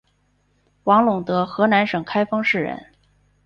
王陇德河南省开封市人。